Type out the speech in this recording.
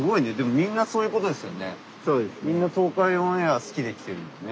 みんな東海オンエア好きで来てるんだね。